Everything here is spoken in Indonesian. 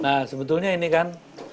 nah sebetulnya ini kan